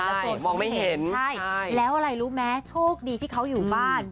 โจรมองไม่เห็นใช่แล้วอะไรรู้ไหมโชคดีที่เขาอยู่บ้าน